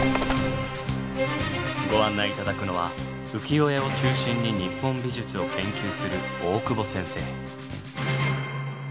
ご案内頂くのは浮世絵を中心に日本美術を研究する大久保先生。